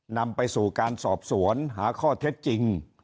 นำไปสู่การสอบสวนหาข้อเท็จจริง